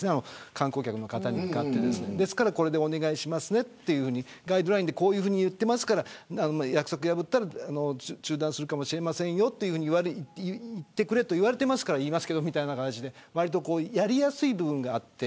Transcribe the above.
観光客の方に向かってですから、これでお願いしますねってガイドラインでこういうふうに言っていますから約束破ったら中断するかもしれませんよと言ってくれと言われてますから言いますけどみたいな感じでわりとやりやすい部分があって。